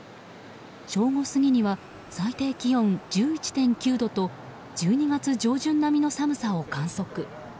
正午過ぎには最低気温１１．９度と１２月上旬並みの寒さを観測。